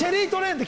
って。